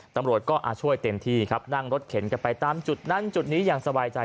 ตำรวจก็ช่วยเต็มที่ครับนั่งรถเข็นกันไปตามจุดนั้นจุดนี้อย่างสบายใจ